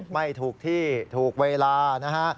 ไม่ถูกที่ถูกเวลานะฮะ